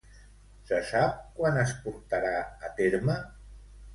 Se sap quan es portarà a terme?